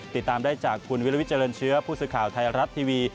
ติดตามได้จากคุณวิลวิทเจริญเชื้อผู้สื่อข่าวไทยรัฐทีวี